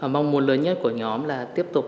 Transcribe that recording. mong mong lớn nhất của nhóm là tiếp tục